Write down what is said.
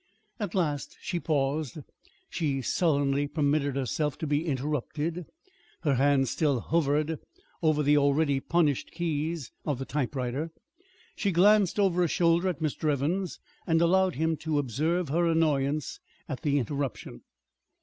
At last she paused; she sullenly permitted herself to be interrupted. Her hands still hovered above the already well punished keys of the typewriter. She glanced over a shoulder at Mr. Evans and allowed him to observe her annoyance at the interruption.